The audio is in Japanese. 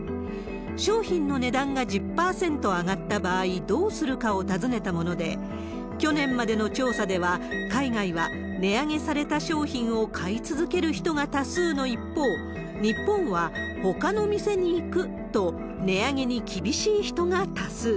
商品の値段が１０％上がった場合、どうするかを尋ねたもので、去年までの調査では、海外は値上げされた商品を買い続ける人が多数の一方、日本は、ほかの店に行くと、値上げに厳しい人が多数。